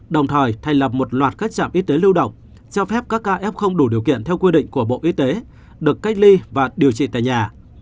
đồng thời thành lập một loạt các trạm y tế lưu động cho phép các ca f không đủ điều kiện theo quy định của bộ y tế được cách ly và điều trị tại nhà